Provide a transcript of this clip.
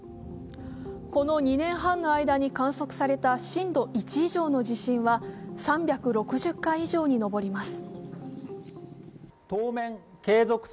この２年半の間に観測された震度１以上の地震は３６０回以上に上ります。